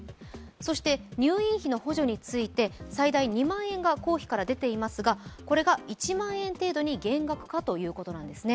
そして入院費の補助について最大２万円が公費から出ていますが、これが１万円程度に減額かということなんですね。